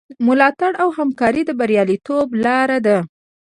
ملاتړ او همکاري د بریالیتوب لاره ده.